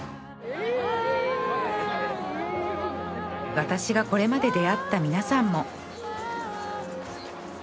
私がこれまで出会った皆さんも